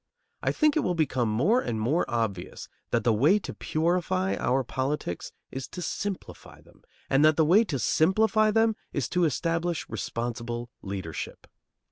I think it will become more and more obvious that the way to purify our politics is to simplify them, and that the way to simplify them is to establish responsible leadership.